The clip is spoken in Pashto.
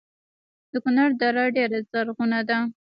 د کونړ دره ډیره زرغونه ده